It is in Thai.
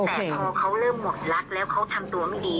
แต่พอเขาเริ่มหมดรักแล้วเขาทำตัวไม่ดี